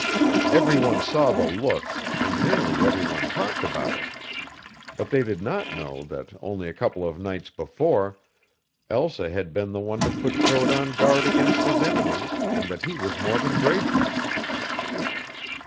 Every one saw the look, and nearly every one talked about it, but they did not know that only a couple of nights before Elsa had been the one to put Code on guard against his enemies, and that he was more than grateful.